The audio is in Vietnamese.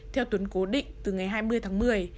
theo tuấn cố định từ ngày hai mươi tháng một mươi